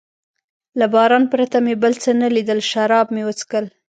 له باران پرته مې بل څه نه لیدل، شراب مې و څښل.